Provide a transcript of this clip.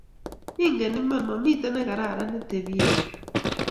eng' iman mamito ne kararan ne tebie keny